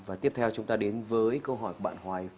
và tiếp theo chúng ta đến với câu hỏi bạn hoài